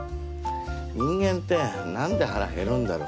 人間ってなんで腹減るんだろ。